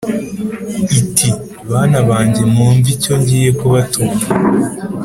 iti « bana banjye mwumve icyo ngiye kubatuma.